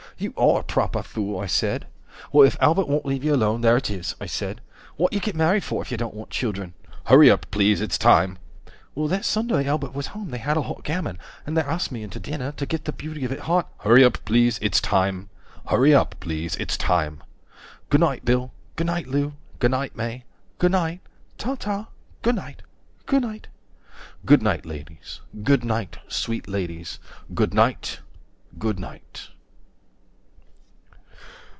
You are a proper fool, I said. Well, if Albert won't leave you alone, there it is, I said, What you get married for if you don't want children? HURRY UP PLEASE ITS TIME 165 Well, that Sunday Albert was home, they had a hot gammon, And they asked me in to dinner, to get the beauty of it hot— HURRY UP PLEASE ITS TIME HURRY UP PLEASE ITS TIME Goonight Bill. Goonight Lou. Goonight May. Goonight. 170 Ta ta. Goonight. Goonight. Good night, ladies, good night, sweet ladies, good night, good night.